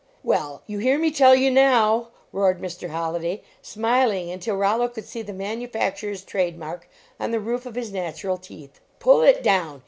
" Well, you hear me tell you now," roared Mr. Holliday, smiling until Rollo could see the manufacturer s trade mark on the roof of his natural teeth. "Pull it down!